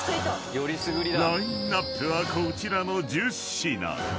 ［ラインアップはこちらの１０品］